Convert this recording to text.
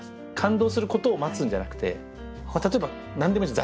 例えば何でもいいです。